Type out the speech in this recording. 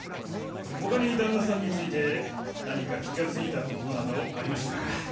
他に旦那さんについて何か気がついたことなどありましたか？